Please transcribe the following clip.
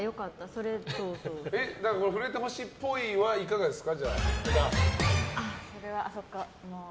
触れてほしいっぽいはいかがですか？